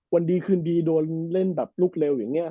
วันดีคืนดีโดนเล่นแบบลุกเร็วอย่างนี้